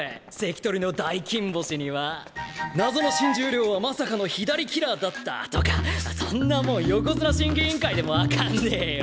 謎の新十両はまさかの左キラーだったとかそんなもん横綱審議委員会でも分かんねえよ。